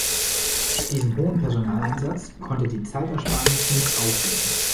Diesen hohen Personaleinsatz konnte die Zeitersparnis nicht aufwiegen.